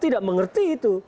tidak mengerti itu